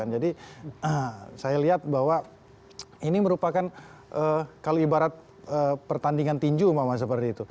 jadi saya lihat bahwa ini merupakan kalau ibarat pertandingan tinju mama seperti itu